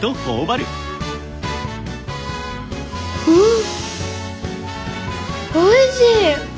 んおいしい！